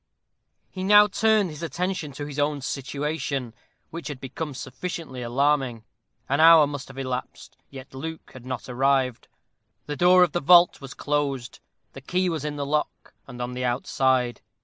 He now turned his attention to his own situation, which had become sufficiently alarming. An hour must have elapsed, yet Luke had not arrived. The door of the vault was closed the key was in the lock, and on the outside.